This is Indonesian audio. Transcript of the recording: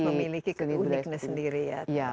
dan harus memiliki keuniknya sendiri ya